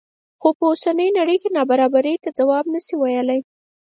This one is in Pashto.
خو په اوسنۍ نړۍ کې نابرابرۍ ته ځواب نه شي ویلی.